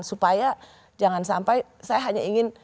supaya jangan sampai saya hanya ingin